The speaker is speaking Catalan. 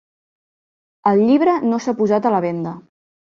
El llibre no s'ha posat a la venda.